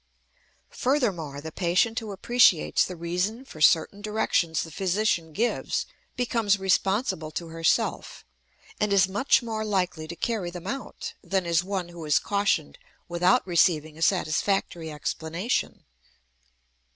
Furthermore, the, patient who appreciates the reason for certain directions the physician gives becomes responsible to herself, and is much more likely to carry them out than is one who is cautioned without receiving a satisfactory explanation.